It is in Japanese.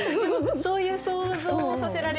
そういう想像をさせられますよね。